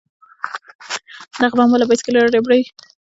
دغه بم والا بايسېکل يا رېړۍ پر داسې لارو دروو.